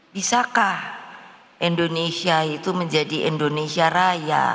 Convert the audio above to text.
bisakah indonesia itu menjadi indonesia raya